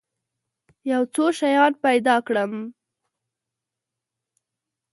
یو څو شیان پیدا کړم.